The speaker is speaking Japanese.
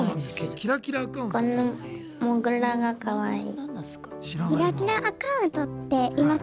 このモグラがかわいい。